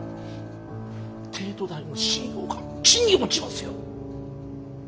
帝都大の信用が地に落ちますよ！